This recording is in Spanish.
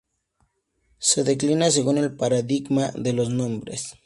Se declina según el paradigma de los nombres.